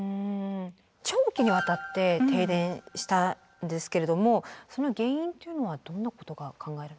長期に渡って停電したんですけれどもその原因というのはどんなことが考えられる。